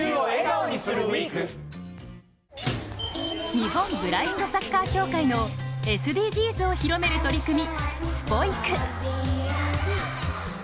日本ブラインドサッカー協会のＳＤＧｓを広める取り組み、スポ育。